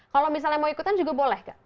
kalau misalnya mau ikutan juga boleh gak